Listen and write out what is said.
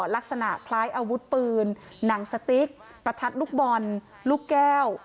ลักษณะคล้ายอาวุธปืนหนังสติ๊กประทัดลูกบอลลูกแก้ว